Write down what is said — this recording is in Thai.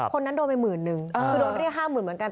คนนั้นโดนไปหมื่นนึงโดนเรียก๕๐๐๐๐เหมือนกัน